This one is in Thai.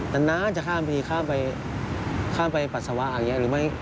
แต่น้าจะข้ามไปข้ามไปปรัสสาวะอย่างนี้